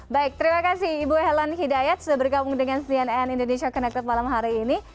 baik terima kasih ibu helen hidayat sudah bergabung dengan cnn indonesia connected malam hari ini